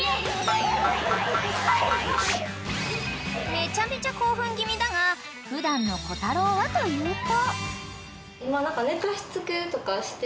［めちゃめちゃ興奮気味だが普段のこたろうはというと］